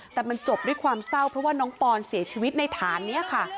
แต่มันจบด้วยความเศร้าเพราะว่าน้องปอนเสียชีวิตในฐานนี้ค่ะ